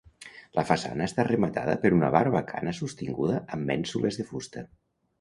La façana està rematada per una barbacana sostinguda amb mènsules de fusta.